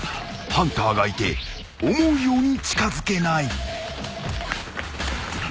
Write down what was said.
［ハンターがいて思うように近づけない］